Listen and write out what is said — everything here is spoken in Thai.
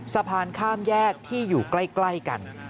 สะพานข้ามแยกที่อยู่ใกล้กัน